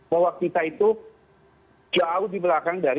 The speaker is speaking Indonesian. bahwa kita itu jauh di belakang dari